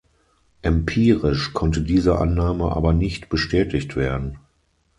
Empirisch konnte diese Annahme aber nicht bestätigt werden.